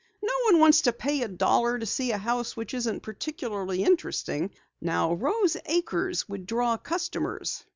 "No one wants to pay a dollar to see a house which isn't particularly interesting. Now Rose Acres would draw customers.